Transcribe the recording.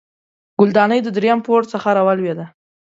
ګلدانۍ د دریم پوړ څخه راولوېده